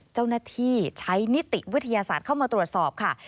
เจ้าหน้าที่ใช้นิติวิทยาศาสตร์เข้ามาตรวจสอบค่ะ